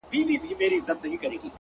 څه پوښتې چي شعر څه شاعري څنگه